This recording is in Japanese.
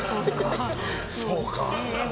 そうか。